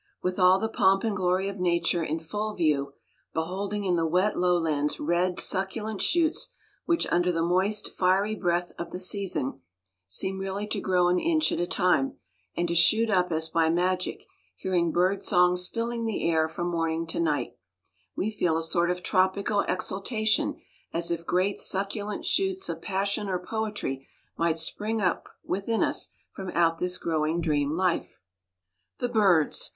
With all the pomp and glory of Nature in full view; beholding in the wet, low lands red, succulent shoots, which, under the moist, fiery breath of the season, seem really to grow an inch at a time, and to shoot up as by magic; hearing bird songs filling the air from morning to night, we feel a sort of tropical exultation, as if great, succulent shoots of passion or poetry might spring up within us from out this growing dream life. The birds!